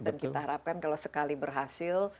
dan kita harapkan kalau sekali berhasil